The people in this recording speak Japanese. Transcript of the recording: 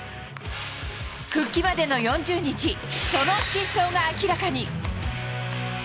復帰までの４０日、その真相が明らかに。